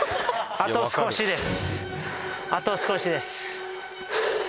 あと少しです。